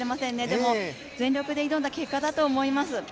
でも全力で挑んだ結果だと思います。